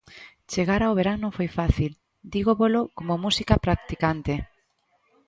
Chegar ao verán non foi fácil, dígovolo como música practicante.